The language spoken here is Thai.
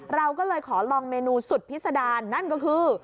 เราก็เลยขอลองเมนูสุดพิษดารนั่นก็คือ